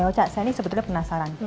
teh ocak saya ini sebetulnya penasaran